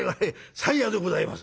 『山谷でございます』